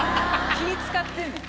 気ぃ使ってんのよ。